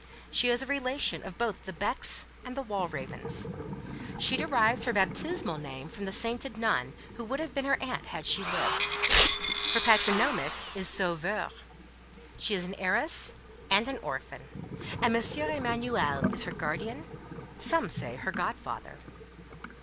She is a relation of both the Becks and Walravens; she derives her baptismal name from the sainted nun who would have been her aunt had she lived; her patronymic is Sauveur; she is an heiress and an orphan, and M. Emanuel is her guardian; some say her godfather.